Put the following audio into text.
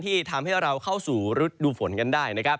ที่ทำให้เราเข้าสู่ฤทธิ์ดูฝนกันได้